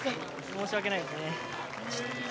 申し訳ないですね。